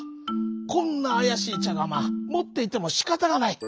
こんなあやしいちゃがまもっていてもしかたがない。